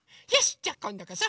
じゃあこんどこそ！